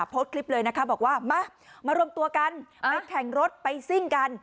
โพสต์คลิปเลยนะคะบอกว่ามามารวมตัวกันไปแข่งรถไปซิ่งกัน